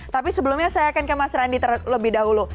tapi sebelumnya saya akan ke mas randi terlebih dahulu